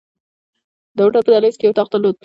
د هوټل په دهلیز کې یې اتاق درلود.